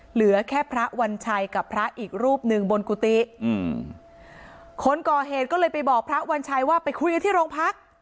เหลือแค่พระวัญชัยกับพระอีกรูปหนึ่งบนกุฏิอืมคนก่อเหตุก็เลยไปบอกพระวัญชัยว่าไปคุยกันที่โรงพัก